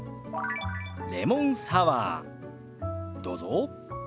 「レモンサワー」どうぞ。